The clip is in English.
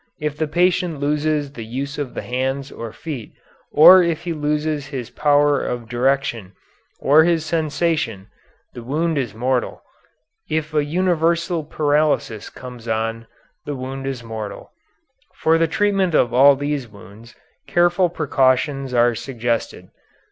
If the patient loses the use of the hands and feet or if he loses his power of direction, or his sensation, the wound is mortal. If a universal paralysis comes on, the wound is mortal. For the treatment of all these wounds careful precautions are suggested.